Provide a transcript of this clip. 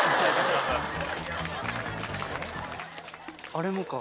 あれもか。